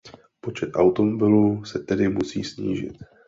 Počet automobilů se tedy musí snížit.